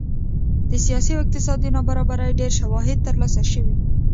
د سیاسي او اقتصادي نابرابرۍ ډېر شواهد ترلاسه شوي